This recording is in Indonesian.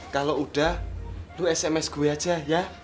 kalau udah lu sms gue aja ya